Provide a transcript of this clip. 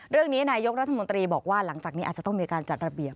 เรื่องนี้นายกรัฐมนตรีบอกว่าหลังจากนี้อาจจะต้องมีการจัดระเบียบ